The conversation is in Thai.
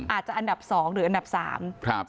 อาจจะอันดับสองหรืออันดับสามครับ